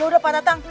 yaudah pak datang